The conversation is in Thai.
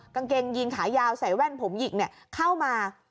กางเกงยีนขายาวใส่แว่นผมหยิกเข้ามา